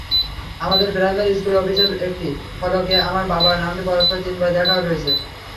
আমাদের প্রাইমারি স্কুলের অফিসের একটি ফলকে আমার বাবার নামটি পরপর তিনবার লেখা রয়েছে।